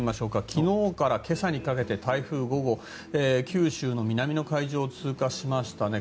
昨日から今朝にかけて台風５号、九州の南の海上を通過しましたね。